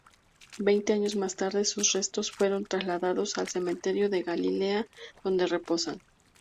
Veinte años más tarde sus restos fueron trasladados al cementerio de Galilea, donde reposan.